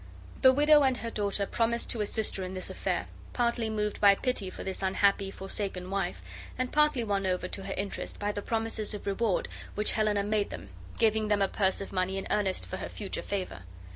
The widow and her daughter promised to assist her in this affair, partly moved by pity for this unhappy, forsaken wife and partly won over to her interest by the promises of reward which Helena made them, giving them a purse of money in earnest of her future favor.